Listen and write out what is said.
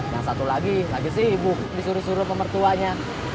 yang satu lagi lagi sibuk disuruh suruh pemertuanya